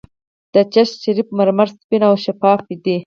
د چشت شریف مرمر سپین او شفاف دي.